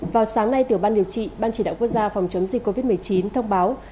vào sáng nay tiểu ban điều trị ban chỉ đạo quốc gia phòng chống dịch covid một mươi chín thông báo